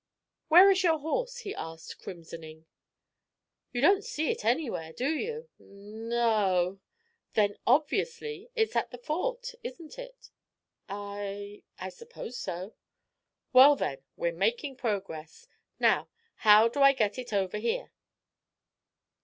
"Where is your horse?" he asked, crimsoning. "You don't see it anywhere, do you?" "N no." "Then, obviously, it's at the Fort, isn't it?" "I I suppose so." "Well, then, we're making progress. Now, how do I get it over here?"